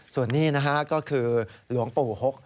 ส่วนนี้ครับคือหลวงปู่หก